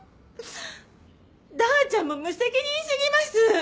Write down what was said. ダーちゃんも無責任すぎます！